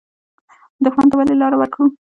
دښمن ته ولې لار ورکړو؟